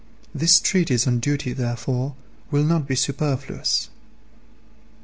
This treatise on duty, therefore, will not be superfluous.